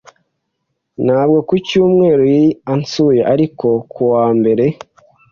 Ntabwo ku cyumweru yari ansuye, ariko ku wa mbere.